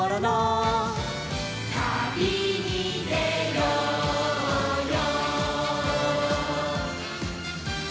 「たびにでようよ」